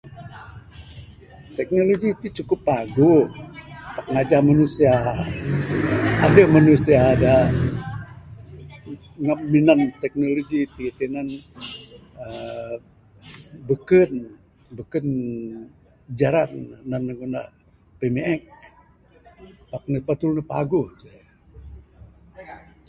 Teknologi ti cukup paguh. Pak ngajah manusia. Adeh manusia da minan teknologi ti tinan uhh beken, beken jaran ne nan ne ngunah pimiek. Pak batul ne paguh ce.